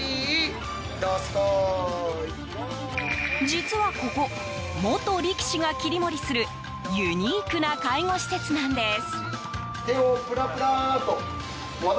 実はここ元力士が切り盛りするユニークな介護施設なんです。